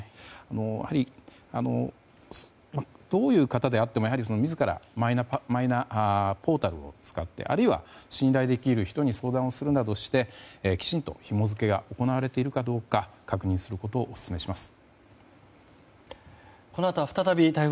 やはり、どういう方であっても自らマイナポータルを使ってあるいは信頼できる人に相談するなどしてきちんとひも付けが行われているかどうか確認することをお勧めします。